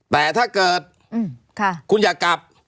แต่ถ้าเกิดคุณอยากกลับ